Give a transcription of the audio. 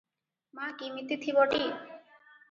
ମା କିମିତି ଥିବଟି?